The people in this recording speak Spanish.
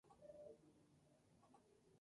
Córdoba, Ver.